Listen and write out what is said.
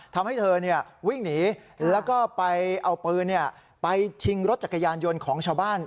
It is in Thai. ทำให้เธอวิ่งหนีแล้วก็ไปเอาปืนไปชิงรถจักรยานยนต์ของชาวบ้าน